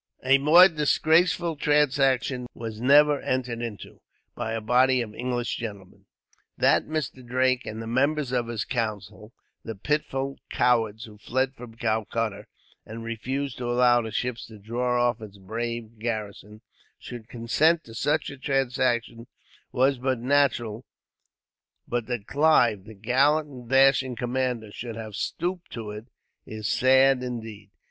A more disgraceful transaction was never entered into, by a body of English gentlemen. That Mr. Drake and the members of his council, the pitiful cowards who fled from Calcutta, and refused to allow the ships to draw off its brave garrison, should consent to such a transaction was but natural; but that Clive, the gallant and dashing commander, should have stooped to it, is sad, indeed.